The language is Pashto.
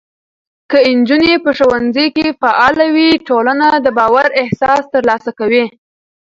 که نجونې په ښوونځي کې فعاله وي، ټولنه د باور احساس ترلاسه کوي.